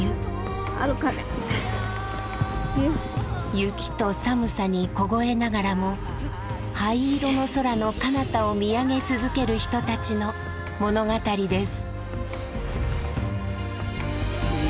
雪と寒さに凍えながらも灰色の空のかなたを見上げ続ける人たちの物語です。